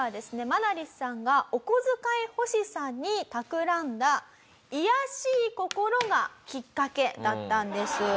マナリスさんがお小遣い欲しさにたくらんだ卑しい心がきっかけだったんです。